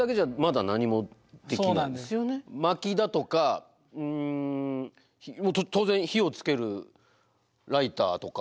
まきだとかうん当然火をつけるライターとか。